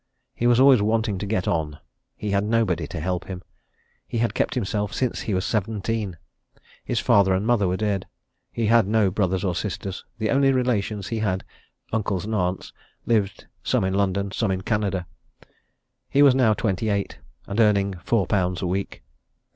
He was always wanting to get on. He had nobody to help him. He had kept himself since he was seventeen. His father and mother were dead; he had no brothers or sisters the only relations he had, uncles and aunts, lived some in London, some in Canada. He was now twenty eight, and earning four pounds a week.